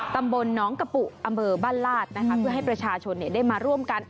ตำบลน้องกะปุอำเภอบ้านลาดนะคะเพื่อให้ประชาชนได้มาร่วมกัน